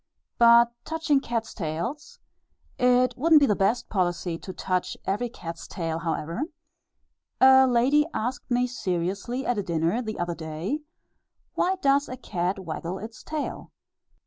But touching cats' tails (it wouldn't be the best policy to touch every cat's tail however), a lady asked me seriously at dinner the other day, "Why does a cat waggle its tail?"